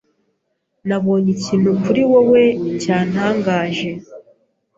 Nabonye ikintu kuri wowe cyantangaje.